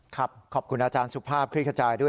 ขอบคุณอาจารย์สุภาพคลิกขจายด้วย